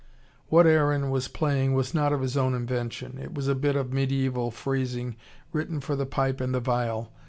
What Aaron was playing was not of his own invention. It was a bit of mediaeval phrasing written for the pipe and the viol.